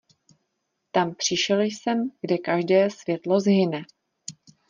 Tam přišel jsem, kde každé světlo zhyne.